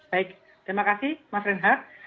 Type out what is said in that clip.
baik terima kasih mas renhat